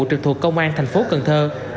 trực thuộc công an thành phố cần thơ